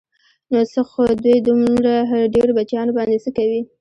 نو څه خو دوی دومره ډېرو بچیانو باندې څه کوي.